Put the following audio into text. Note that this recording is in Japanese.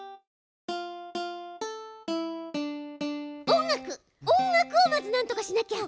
音楽音楽をまずなんとかしなきゃ。